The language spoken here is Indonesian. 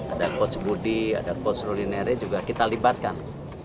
ada coach budi ada coach rulinere juga kita libatkan